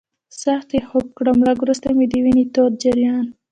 سخت یې خوږ کړم، لږ وروسته مې د وینې تود جریان.